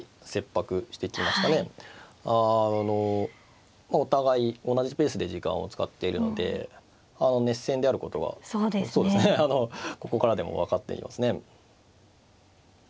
あのお互い同じペースで時間を使っているので熱戦であることはあのここからでも分かっていますね。